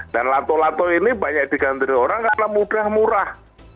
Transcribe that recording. dan lato lato ini banyak digandrungi orang karena mudah murah